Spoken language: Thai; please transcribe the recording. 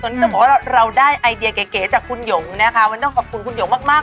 ตอนนี้เราได้ไอเดียเก๋จากคุณหยงนะคะวันนี้ต้องขอบคุณคุณหยงมากเลยค่ะ